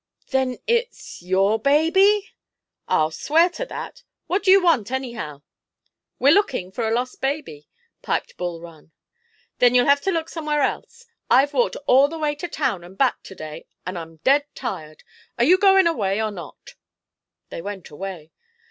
"Then—it's—your baby!" "I'll swear to that. What do you want, anyhow?" "We're looking for a lost baby," piped Bul Run. "Then you'll hev to look somewhere else. I've walked all the way to town, an' back to day, an' I'm dead tired. Are you goin' away, or not?" They went away.